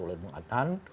oleh bung adnan